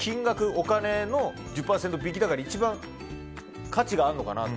お金の１０％引きだから一番価値があるのかなと。